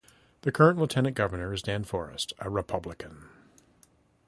The current Lieutenant Governor is Dan Forest, a Republican.